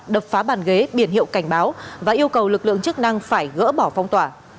đập phá bàn ghế biển hiệu cảnh báo và yêu cầu lực lượng chức năng phải gỡ bỏ phong tỏa